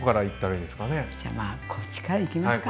じゃまあこっちからいきますか。